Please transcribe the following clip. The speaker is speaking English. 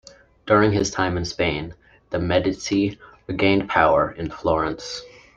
During his time in Spain, the Medici regained power in Florence.